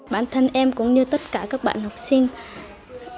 bản thân em cũng như tất cả các bạn học sinh